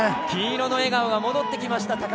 金色の笑顔が戻ってきました！